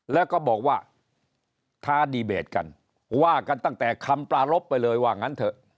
แล้วก็บอกว่าท้าดีเบตกันว่ากันตั้งแต่คำปลารบไปเลยว่างั้นเถอะ